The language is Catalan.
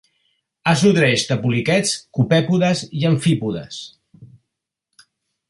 Es nodreix de poliquets, copèpodes i amfípodes.